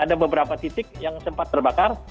ada beberapa titik yang sempat terbakar